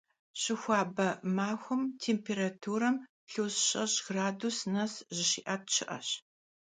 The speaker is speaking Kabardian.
Şıxuabe maxuem têmpêraturam plüs şeş' gradus nes şızi'et şı'eş.